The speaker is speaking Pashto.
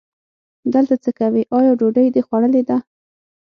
دلته څه کوې، آیا ډوډۍ دې خوړلې ده؟